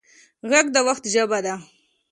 غږ د وخت ژبه ده